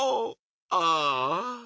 ああ。